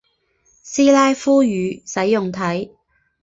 斯拉夫语使用体。